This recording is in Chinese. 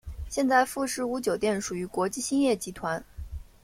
现在富士屋酒店属于国际兴业集团。